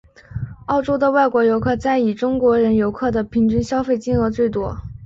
澳洲的外国游客在以中国人游客的平均消费金额最多。